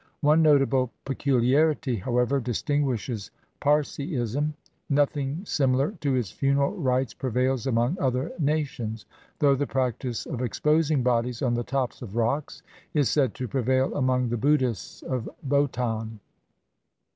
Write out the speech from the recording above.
One notable peculiarity, however, distinguishes Parsiism. Nothing similar to its funeral rites prevails among other nations; though the practice of exposing bodies on the tops of rocks is said to prevail among the Buddhists of Bhotan.